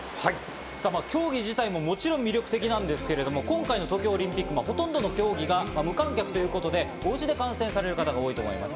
競技ももちろん魅力なんですが、今回の東京オリンピックほとんどが無観客ということで、おうちで観戦される方が多いと思います。